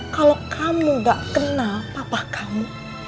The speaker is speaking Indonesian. kalau kamu gak kenal papa kamu